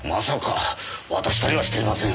渡したりはしていません。